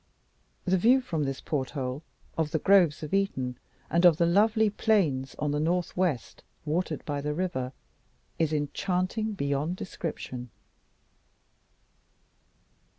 The view from this porthole of the groves of Eton, and of the lovely plains on the north west, watered by the river, is enchanting beyond description.